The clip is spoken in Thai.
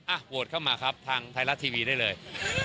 โหวตเข้ามาครับทางไทยรัฐทีวีได้เลย